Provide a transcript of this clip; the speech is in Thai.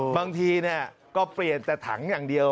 บางทีก็เปลี่ยนแต่ถังอย่างเดียว